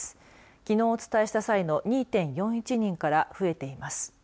きのう、お伝えした際の２．４１人から増えています。